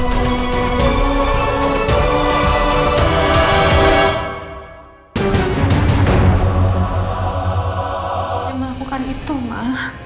emang bukan itu ma